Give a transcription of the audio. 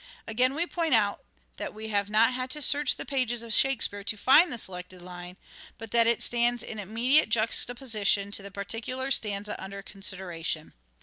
Again we point out that we have not had to search the pages of " Shakespeare " to find the selected line, but that 192 " SHAKESPEARE " IDENTIFIED it stands in immediate juxtaposition to the particular stanza under consideration.